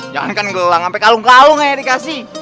jangan kan gelang sampai kalung kalung aja dikasih